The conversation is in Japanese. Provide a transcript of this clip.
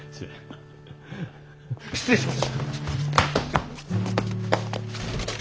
失礼します。